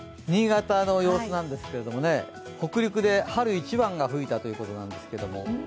新潟の様子なんですけれどもね北陸で春一番が吹いたということなんですけども。